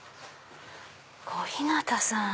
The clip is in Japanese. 小日向さん。